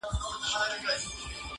چي یې وکتل قصاب نه وو بلا وه!.